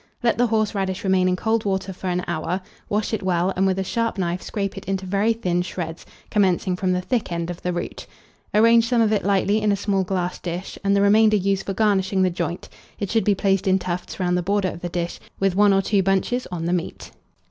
Let the horseradish remain in cold water for an hour; wash it well, and with a sharp knife scrape it into very thin shreds, commencing from the thick end of the root. Arrange some of it lightly in a small glass dish, and the remainder use for garnishing the joint: it should be placed in tufts round the border of the dish, with 1 or 2 bunches on the meat.